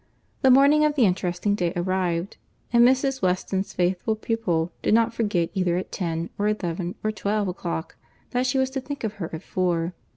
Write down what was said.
The morning of the interesting day arrived, and Mrs. Weston's faithful pupil did not forget either at ten, or eleven, or twelve o'clock, that she was to think of her at four.